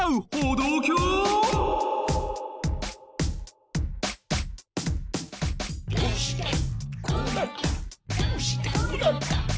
どうしてこうなった？」